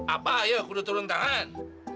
abah ayo kudung turun tangan